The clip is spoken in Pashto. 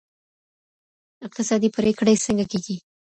اقتصادي پرېکړي څنګه کېږي؟